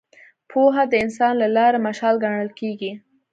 پوهه د انسان د لارې مشال ګڼل کېږي.